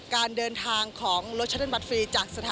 การเดินทางของรถชัตเติ้ลบัตรฟรีจากสถานี